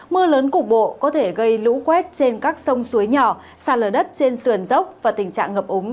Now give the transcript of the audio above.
mưa lớn cục bộ có thể gây lũ quét trên các sông suối nhỏ sàn lờ đất trên sườn dốc và tình trạng ngập úng